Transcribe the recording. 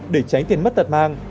để tránh tiền mất tật mang